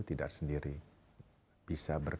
tidak sendiri bisa berkomunikasi dengan